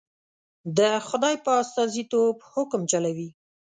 د خدای په استازیتوب حکم چلوي.